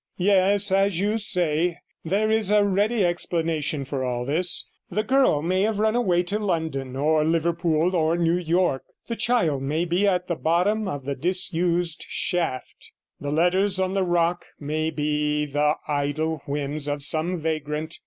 Yes, as you say, there is a ready explanation for all this; the girl may have run away to London, or Liverpool, or New York; the child may be at the bottom of the disused shaft; and the letters on the rock may be the idle whims of some vagrant.